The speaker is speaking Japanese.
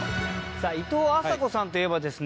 さあいとうあさこさんといえばですね